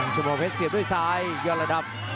เฉพาะเพชรเสียบด้วยซ้ายยอดระดับ